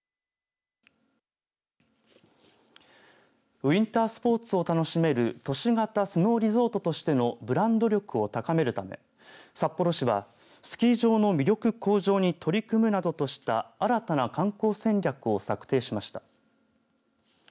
ウインタースポーツを楽しめる都市型スノーリゾートとしてのブランド力を高めるため札幌市はスキー場の魅力向上に取り組むなどとした新たな観光戦略を策定しました。